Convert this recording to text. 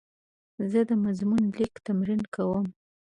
زه د مضمون لیک تمرین کوم.